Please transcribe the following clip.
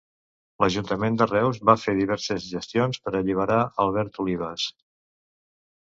L'ajuntament de Reus va fer diverses gestions per a alliberar Albert Olives.